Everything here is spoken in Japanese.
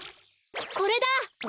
これだ！